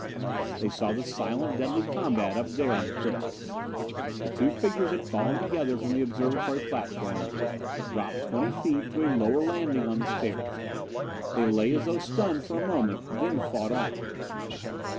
They saw the silent, deadly combat up there on the cliff. The two figures had fallen together from the observatory platform, dropped twenty feet to a lower landing on the stairs. They lay as though stunned for a moment, then fought on.